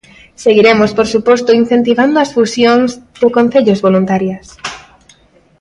Seguiremos, por suposto, incentivando as fusións de concellos voluntarias.